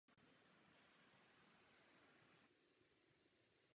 Psal články a drobné povídky do časopisů "Květy" a "Včela".